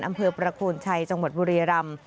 อำเภอประโคนชัยจังหวัดบุรีรำ